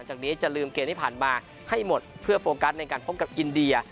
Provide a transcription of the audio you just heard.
จากนี้จะลืมเกมที่ผ่านมาให้หมดเพื่อโฟกัสในการพบกับอินเดีย